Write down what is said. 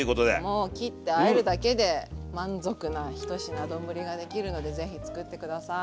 もう切ってあえるだけで満足な１品丼ができるのでぜひ作って下さい。